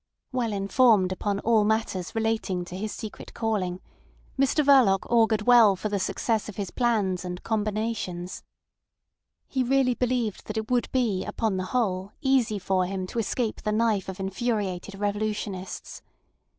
Well informed upon all matters relating to his secret calling, Mr Verloc augured well for the success of his plans and combinations. He really believed that it would be upon the whole easy for him to escape the knife of infuriated revolutionists.